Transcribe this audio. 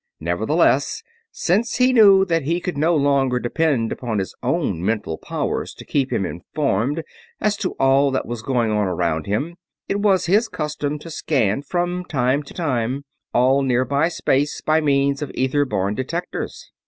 Nevertheless, since he knew that he could no longer depend upon his own mental powers to keep him informed as to all that was going on around him, it was his custom to scan, from time to time, all nearby space by means of ether borne detectors.